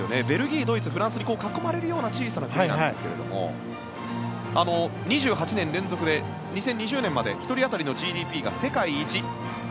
ベルギー、ドイツフランスに囲まれるような小さな国なんですが２８年連続で２０２０年まで１人当たりのＧＤＰが世界一。